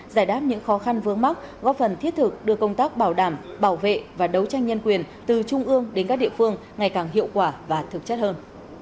giải đáp những khó khăn vướng mắc góp phần thiết thực đưa công tác bảo đảm bảo vệ và đấu tranh nhân quyền từ trung ương đến các địa phương ngày càng hiệu quả và thực chất hơn